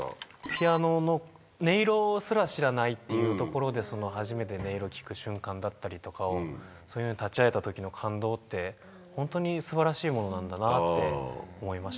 ピアノの音色すら知らないっていうところで初めて音色聞く瞬間だったりとかそういうの立ち上げた時の感動ってホントに素晴らしいものなんだなって思いました。